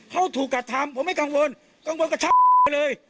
เขาถูกกระทำผมไม่กังวลกังวลกระชับไปเลย